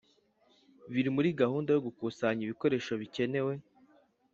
Bari muri gahunda yo gukusanya ibikoresho bikenewe